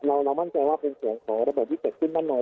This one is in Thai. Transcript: เรามั่งใจว่าเป็นเสียงของระบบที่๗ขึ้นมาหน่อย